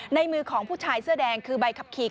ในมือของผู้ชายเสื้อแดงคือใบขับขี่